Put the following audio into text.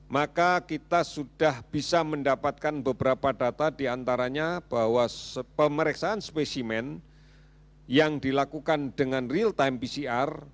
maka kita sudah bisa mendapatkan beberapa data diantaranya bahwa pemeriksaan spesimen yang dilakukan dengan real time pcr